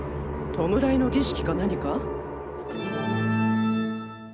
弔いの儀式か何か？